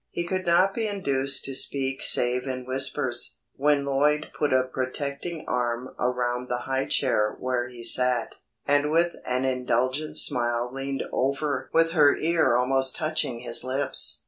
He could not be induced to speak save in whispers, when Lloyd put a protecting arm around the high chair where he sat, and with an indulgent smile leaned over with her ear almost touching his lips.